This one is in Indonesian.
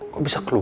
kok bisa keluar